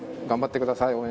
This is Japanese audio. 頑張ってください。